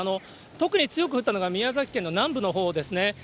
特に強く降ったのが宮崎県の南部のほうですね。